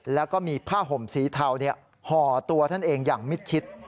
แล้วก็มีผ้าห่มสีเทาห่อตัวท่านเองอย่างมิดชิด